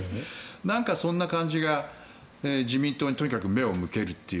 そんな感じが自民党にとにかく目を向けるという。